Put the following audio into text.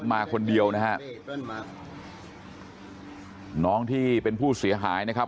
มาคนเดียวนะฮะน้องที่เป็นผู้เสียหายนะครับ